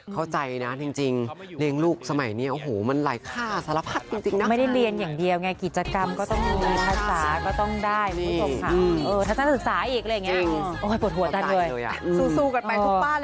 เราอาจจะให้เขาเต็มที่กับตรงนี้